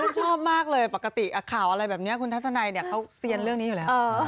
ชอบมากเลยปกติข่าวอะไรแบบนี้คุณทัศนัยเนี่ยเขาเซียนเรื่องนี้อยู่แล้ว